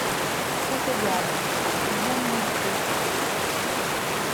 C’est égal ; j’aime Monsieur…